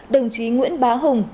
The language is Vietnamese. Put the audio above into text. đồng chí nguyễn bá hùng